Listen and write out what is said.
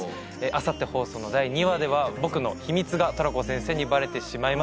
明後日放送の第２話では僕の秘密がトラコ先生にバレてしまいます。